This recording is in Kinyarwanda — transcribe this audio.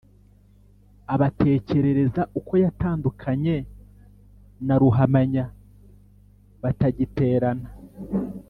abatekerereza uko yatandukanye na ruhamanya batagiterana